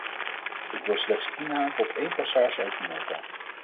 Ik wil slechts inhaken op één passage uit uw nota.